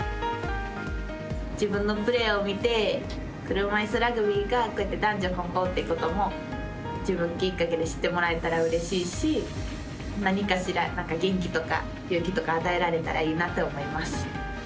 自分のプレーを見て車いすラグビーがこうやって男女混合ってことも自分きっかけで知ってもらえたらいいなって思うし何かしら元気とか勇気とか与えられたらいいなと思います。